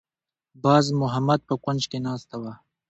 باز محمد په کونج کې ناسته وه.